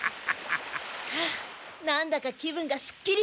ああなんだか気分がすっきりした感じ。